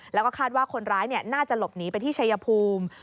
แล้วก็คาดว่าคนร้ายน่าจะหลบหนีไปที่ชายภูมิ